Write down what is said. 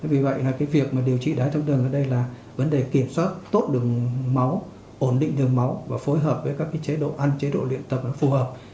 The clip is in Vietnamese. vì vậy là cái việc mà điều trị đái tháo đường ở đây là vấn đề kiểm soát tốt đường máu ổn định đường máu và phối hợp với các chế độ ăn chế độ luyện tập phù hợp